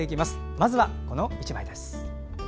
まずは、この１枚です。